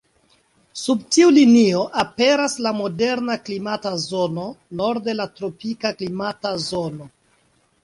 Sub tiu linio aperas la modera klimata zono, norde la tropika klimata zono.